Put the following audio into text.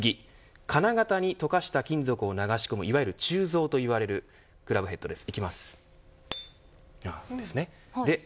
金型に溶かした金属を流し込みいわゆる鋳造といわれるクラブヘッドです。